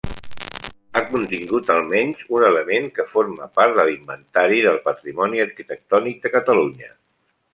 Ha contingut almenys un element que forma part de l'Inventari del Patrimoni Arquitectònic de Catalunya.